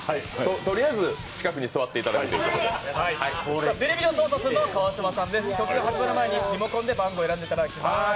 とりあえず近くに座っていただくということでビリビリを操作するのは川島さんで曲が始まる前にリモコンで番号を選んでもらいます。